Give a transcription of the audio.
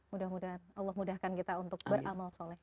mudah mudahan allah mudahkan kita untuk beramal soleh